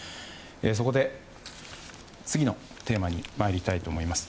そこで、次のテーマに参りたいと思います。